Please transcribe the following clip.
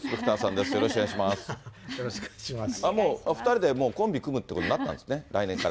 もう２人でコンビ組むってことになったんですね、来年から。